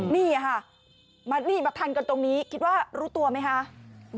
นี่ค่ะมาทันกันตรงนี้คิดว่ารู้ตัวไหมครับ